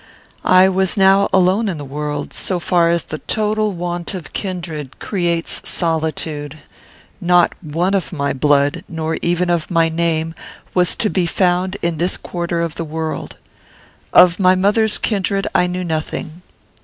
I was now alone in the world, so far as the total want of kindred creates solitude. Not one of my blood, nor even of my name, was to be found in this quarter of the world. Of my mother's kindred I knew nothing.